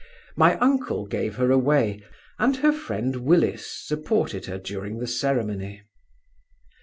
My uncle gave her away, and her friend Willis supported her during the ceremony.